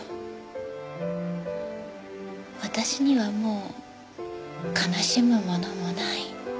私にはもう悲しむものもない。